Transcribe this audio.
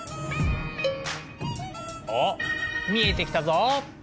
おっ見えてきたぞ。